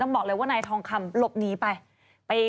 บอกเลยว่านายทองคำหลบหนีไป